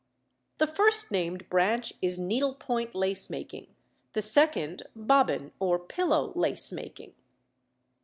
The first named branch is needlepoint lace making; the second, bobbin or pillow lace making.